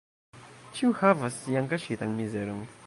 Ĉiu havas sian kaŝitan mizeron.